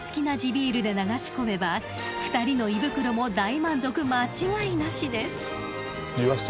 ビールで流し込めば２人の胃袋も大満足間違いなしです］